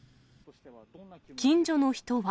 近所の人は。